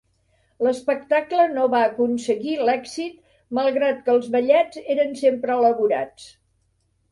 L'espectacle no va aconseguir l'èxit malgrat que els ballets eren sempre elaborats.